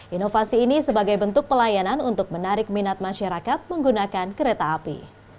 inovasi ini sebagai bentuk pelayanan untuk menarik minat masyarakat menggunakan kereta api